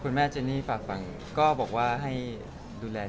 คุณแม่เจนี่ฝากฟังก็บอกว่าให้ดูแลนะครับ